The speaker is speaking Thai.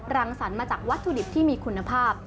รังสรรค์มาจากวัตถุดิบที่มีคุณภาพ